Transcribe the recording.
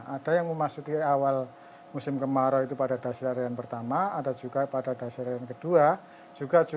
ada yang memasuki awal musim kemarau itu pada dasarian pertama ada juga pada dasar yang kedua juga